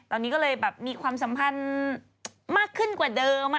ตอนนี้ก็เลยแบบมีความสัมพันธ์มากขึ้นกว่าเดิม